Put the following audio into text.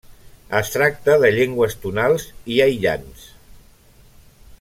Es tracta de llengües tonals i aïllants.